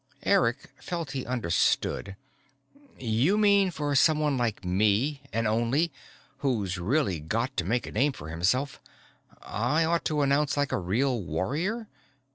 Eric felt he understood. "You mean, for someone like me an Only, who's really got to make a name for himself I ought to announce like a real warrior?